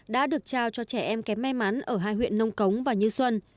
đã được trao cho trẻ em kém may mắn ở hai huyện nông cống và như xuân